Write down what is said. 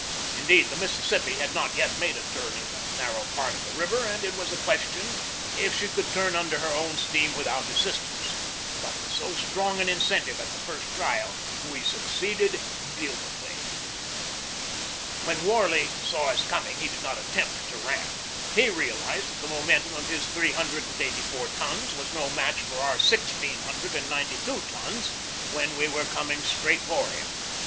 Indeed, the Mississippi had not yet made a turn in the narrow part of the river, and it was a question if she could turn under her own steam without assistance. But with so strong an incentive at the first trial we succeeded beautifully. When Warley saw us coming he did not attempt 7 o GEORGE DEWEY to ram. He realized that the momentum of his three hundred and eighty four tons was no match for our sixteen hundred and ninety two tons when we were coming straight for him.